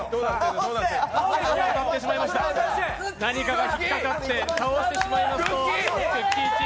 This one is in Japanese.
何かが引っ掛かって倒してしまいますとくっきー！